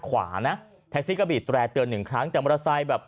ขวานะแท็กซี่ก็บีดแร่เตือนหนึ่งครั้งแต่มอเตอร์ไซค์แบบ